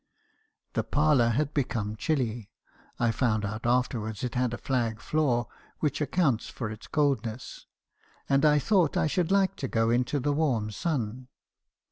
The parlour had become chilly (I found out after wards it had a flag floor, which accounts for its coldness) , and I thought I should like to go into the warm sun.